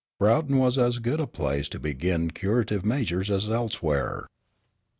Broughton was as good a place to begin curative measures as elsewhere.